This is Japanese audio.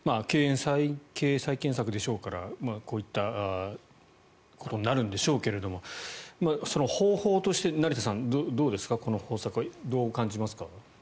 経営再建策でしょうからこういったことになるんでしょうけれどもその方法として成田さんどうですか、この方策はどうお感じになりますか？